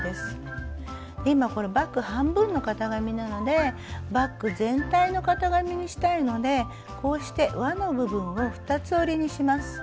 今バッグ半分の型紙なのでバッグ全体の型紙にしたいのでこうして「わ」の部分を二つ折りにします。